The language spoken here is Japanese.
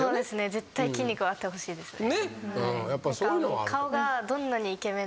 絶対筋肉はあってほしいですね。